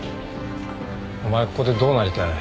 お前はここでどうなりたい？